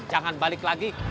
jangan balik lagi